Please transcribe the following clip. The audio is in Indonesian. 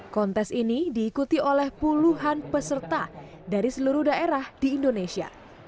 kontes ini diikuti oleh puluhan peserta dari seluruh daerah di indonesia